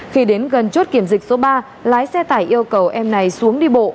khi đến gần chốt kiểm dịch số ba lái xe tải yêu cầu em này xuống đi bộ